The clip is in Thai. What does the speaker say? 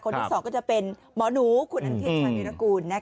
คนที่สองก็จะเป็นหมอหนูคุณอันทิตย์ช่วยมีรกูลนะคะ